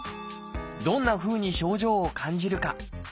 どんなふうに症状を感じるか。